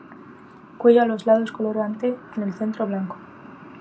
Cuello a los lados color ante, en el centro blanco.